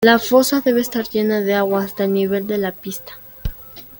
La fosa debe estar llena de agua hasta el nivel de la pista.